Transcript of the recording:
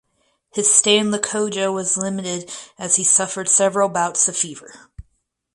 His stay in Lokoja was limited as he suffered several bouts of fever.